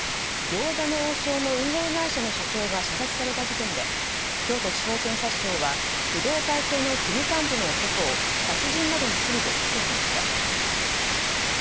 餃子の王将の運営会社の社長が射殺された事件で京都地方検察庁は工藤会系の組幹部の男を殺人などの罪で起訴しました。